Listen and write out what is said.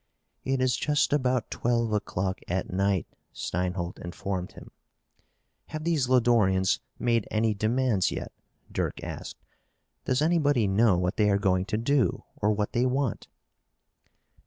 "It is just about twelve o'clock at night," Steinholt informed him. "Have these Lodorians made any demands yet?" Dirk asked. "Does anybody know what they are going to do or what they want?"